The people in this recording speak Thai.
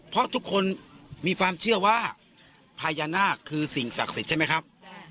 เพราะทุกคนมีความเชื่อว่าพญานาคคือสิ่งศักดิ์สิทธิ์ใช่ไหมครับ